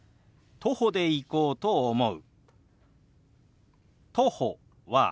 「徒歩で行こうと思う」。